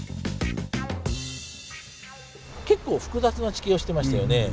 結構複雑な地形をしてましたよね。